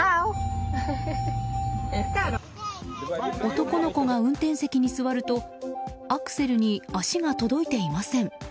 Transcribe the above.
男の子が運転席に座るとアクセルに足が届いていません。